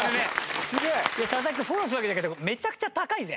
佐々木君フォローするわけじゃないけどめちゃくちゃ高いぜ。